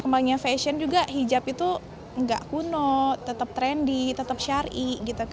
kembalinya fashion juga hijab itu nggak kuno tetap trendy tetap syari